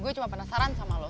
gue cuma penasaran sama lo